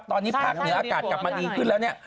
ตอนนี้ภาคเหนืออากาศกลับมาดีขึ้นแล้วเนี่ย